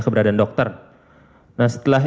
keberadaan dokter nah setelah